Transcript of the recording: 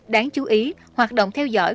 đáng chú ý hoạt động theo dõi